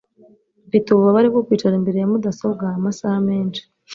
mfite ububabare bwo kwicara imbere ya mudasobwa amasaha menshi